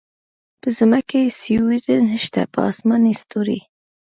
په ځمکه يې سیوری نشته په اسمان ستوری